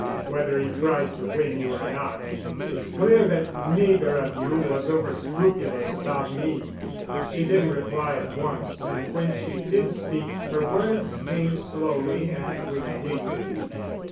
Whether he tried to win you or not, it's clear that neither of you was over scrupulous about me." She didn't reply at once and when she did speak her words came slowly and with dignity.